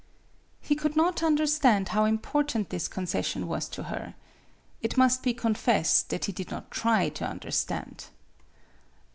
He could not understand how important this concession was to her. It must be confessed that he did not try to understand.